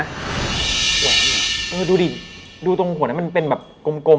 แหวนก่อนหรือยังเออดูดิดูตรงหวกนั้นเป็นแบบกลม